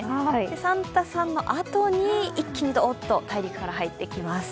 サンタさんのあとに一気にどっと大陸から入ってきます。